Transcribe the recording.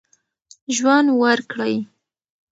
ژوند ورکړئ.